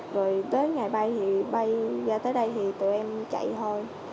rồi tới ngày bay thì bay ra tới đây thì tụi em chạy thôi